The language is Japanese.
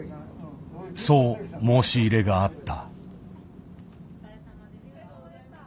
そう申し入れがあった。